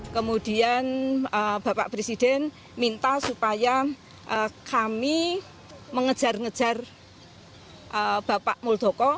kemudian bapak presiden minta supaya kami mengejar ngejar bapak muldoko